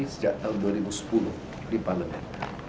sejak tahun dua ribu sepuluh di parlemen